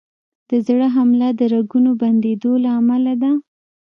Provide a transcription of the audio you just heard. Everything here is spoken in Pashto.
د زړه حمله د رګونو بندېدو له امله ده.